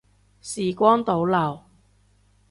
時光倒流